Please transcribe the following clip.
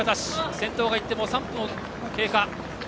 先頭が行って３分経過。